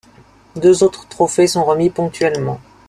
Deux autres trophées sont remis ponctuellement.